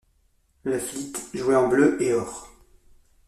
Le Fleet jouait en bleu et or.